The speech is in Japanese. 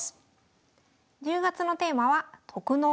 １０月のテーマは「特濃！